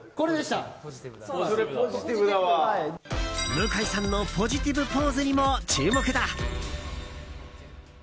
向井さんのポジティブポーズにも注目だ。